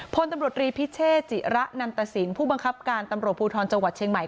พลตำรวจรีพิเชษจิระนันตสินผู้บังคับการตำรวจภูทรจังหวัดเชียงใหม่